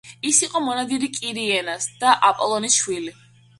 ის იყო მონადირე კირენას და აპოლონის შვილი.